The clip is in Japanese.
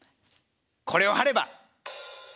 これを貼れば！